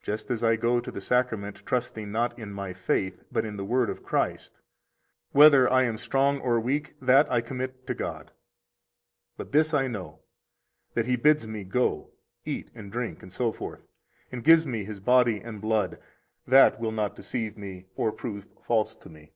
Just as I go to the Sacrament trusting not in my faith, but in the Word of Christ; whether I am strong or weak, that I commit to God. But this I know, that He bids me go, eat and drink, etc., and gives me His body and blood; that will not deceive me or prove false to me.